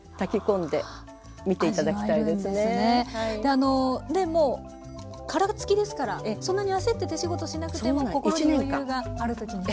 あのもう殻付きですからそんなに焦って手仕事しなくても心に余裕がある時に。